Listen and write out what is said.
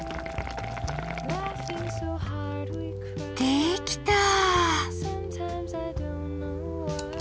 できた！